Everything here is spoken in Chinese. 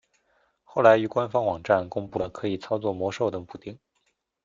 后来于官方网站公布了可以操作魔兽等补丁。